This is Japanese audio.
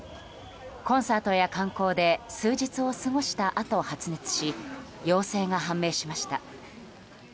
コンサートや観光で数日を過ごしたあと発熱し陽性が判明しました。